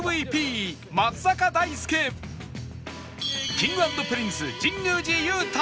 Ｋｉｎｇ＆Ｐｒｉｎｃｅ 神宮寺勇太